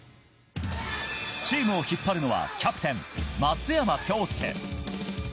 チームを引っ張るのはキャプテン・松山恭助。